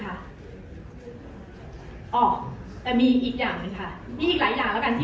มันเป็นเพียงแค่บางโครงการเท่านั้นเองนะคะ